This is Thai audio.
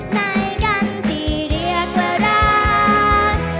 ในกันที่เรียกว่ารัก